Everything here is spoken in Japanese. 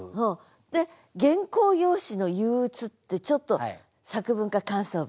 で「原稿用紙の憂鬱」ってちょっと作文か感想文。